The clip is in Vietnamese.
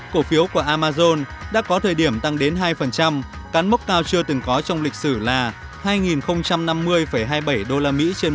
cổ phiếu của amazon đã có thời điểm tăng đến hai cán mốc cao chưa từng có trong lịch sử là